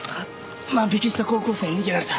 万引きした高校生に逃げられた。